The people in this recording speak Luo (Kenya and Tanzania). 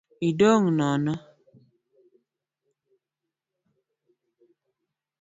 Idong’ nono